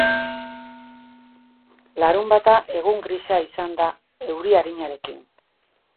Larunbata egun grisa izan da, euri arinarekin.